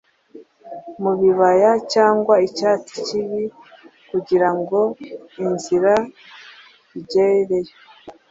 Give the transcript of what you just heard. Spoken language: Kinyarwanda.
Mubibaya cyangwa Icyati kibii, kugirango inziraigereyo